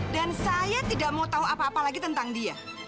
dan saya tidak mau tahu apa apa lagi tentang dia